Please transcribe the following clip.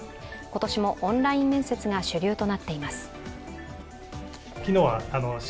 今年もオンライン面接が主流となっています。